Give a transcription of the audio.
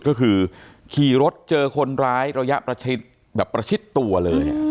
ก็คือขี่รถเจอคนร้ายระยะประชิดตัวเลย